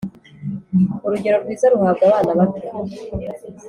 urugero rwiza ruhabwa abana bato